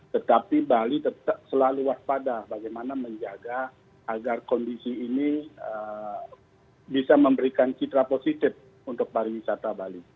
tetapi bali tetap selalu waspada bagaimana menjaga agar kondisi ini bisa memberikan citra positif untuk pariwisata bali